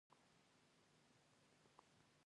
هغوی باید پر خپلو اختلافاتو برلاسي شي.